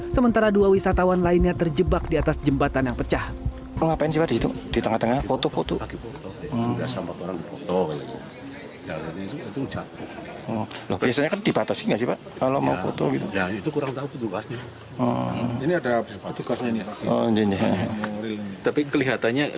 sementara dua wisatawan lainnya terjebak di atas jembatan yang pecah